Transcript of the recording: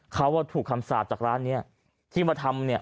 เขาถูกคำสาปจากร้านนี้ที่มาทำเนี่ย